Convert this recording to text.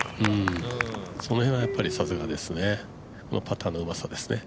その辺はやっぱりさすがですね、パターのうまさですね。